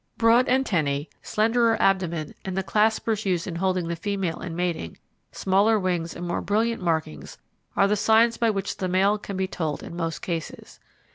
Broad antennae, slenderer abdomen, and the claspers used in holding the female in mating, smaller wings and more brilliant markings are the signs by which the male can be told in most cases.